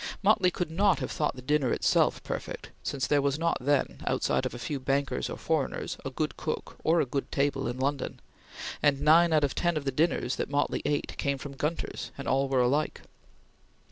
Motley could not have thought the dinner itself perfect, since there was not then outside of a few bankers or foreigners a good cook or a good table in London, and nine out of ten of the dinners that Motley ate came from Gunter's, and all were alike.